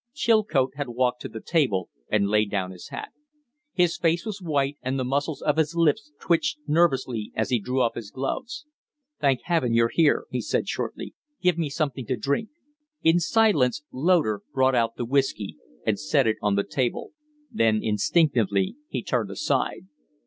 Chilcote had walked to the table and laid down his hat. His face was white and the muscles of his lips twitched nervously as he drew off his gloves. "Thank Heaven, you're here!" he said, shortly. "Give me something to drink." In silence Loder brought out the whiskey and set it on the table; then instinctively he turned aside.